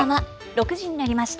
６時になりました。